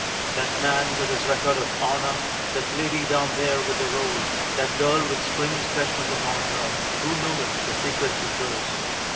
That man with his record of honor, That lady down there with the rose, That girl with Spring's freshness upon her, Who knoweth the secrets of those?